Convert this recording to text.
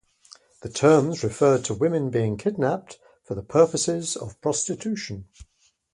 This term referred to women being kidnapped for the purposes of prostitution.